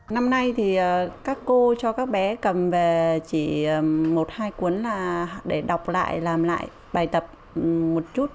năm nay thì các cô cho các bé cầm về chỉ một hai cuốn để đọc lại làm lại bài tập một chút